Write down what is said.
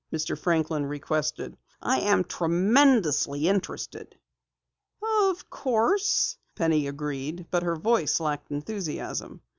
Mr. Franklin requested. "I am tremendously interested." "Of course," Penny agreed, but her voice lacked enthusiasm.